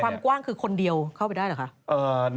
ความกว้างคือคนเดียวเข้าไปได้หรือคะ